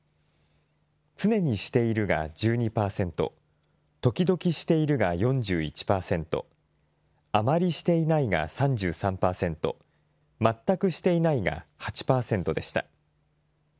常にしているが１２％、時々しているが４１％、あまりしていないが３３％、全くしていないが８％でした。